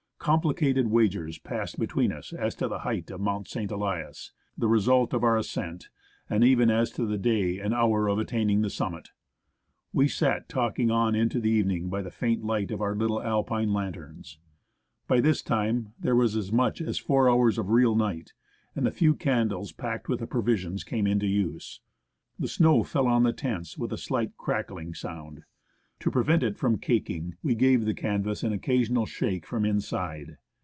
Complicated wagers passed between us as to the height of Mount St. Elias, the result of our ascent, and even as to the day and hour of attaining the summit. We sat talking on into the, evening by the faint light of our little Alpine lanterns. By this time there were as much as four hours of real night, and the few candles packed with the provisions came into use. The snow 140 w o o 01 NEWTON GLACIER fell on the tents with a sHght crackHng sound. To prevent it from cakinof, we grave the canvas an occasional shake from inside.